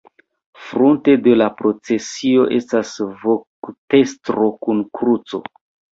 Frunte de la procesio estas voktestro kun kruco.